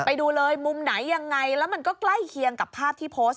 ไปดูเลยมุมไหนยังไงแล้วมันก็ใกล้เคียงกับภาพที่โพสต์